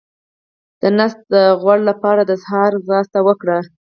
د ګیډې د غوړ لپاره د سهار منډه وکړئ